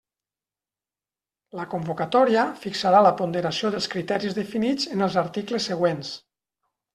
La convocatòria fixarà la ponderació dels criteris definits en els articles següents.